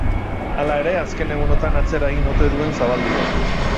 Hala ere, azken egunotan atzera egin ote duen zabaldu da.